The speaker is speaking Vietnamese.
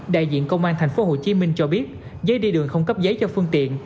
đại diện công an thành phố hồ chí minh cho biết giấy đi đường không cấp giấy cho phương tiện